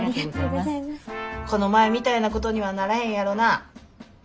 この前みたいなことにはならへんやろな？